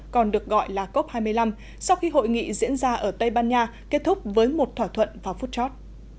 còn được gọi là cop hai mươi năm sau khi hội nghị diễn ra ở tây ban nha kết thúc với một thỏa thuận vào phút chót